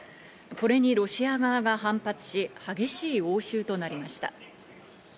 これにロシア側が反発し、激しい応酬となりました。